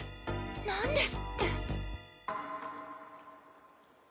何ですって！？